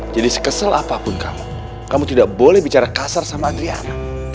jadi sekesel apapun kamu kamu tidak boleh bicara kasar sama adriana